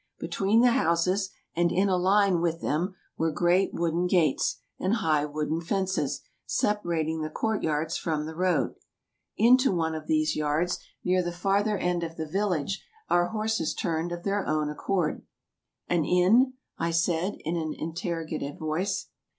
Between the houses, and in a line with them, were great wooden gates and high wooden fences, separating the court yards from the road. Into one of these EUROPE 207 yards, near the farther end of the village, our horses turned of their own accord. *' An inn ?" I said, in an interrogative tone.